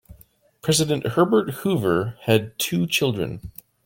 President Herbert Hoover had two children.